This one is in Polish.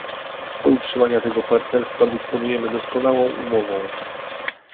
Do utrzymania tego partnerstwa dysponujemy doskonałą umową